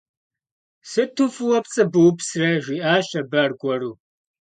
Sıtu f'ıue pts'ı bupsre, - jji'aş abı argueru.